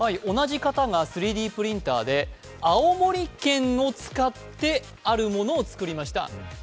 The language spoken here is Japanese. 同じ方が３Ｄプリンターで青森県を使ってあるものを作りました。